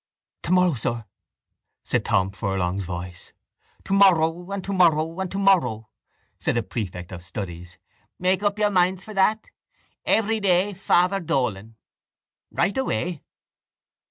—Tomorrow, sir, said Tom Furlong's voice. —Tomorrow and tomorrow and tomorrow, said the prefect of studies. Make up your minds for that. Every day Father Dolan. Write away.